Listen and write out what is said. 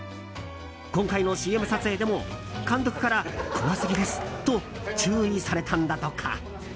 今回のＣＭ撮影でも監督から怖すぎですと注意されたのだとか。